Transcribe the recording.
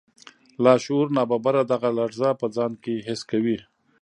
لاشعور ناببره دغه لړزه په ځان کې حس کوي